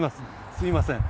すみません。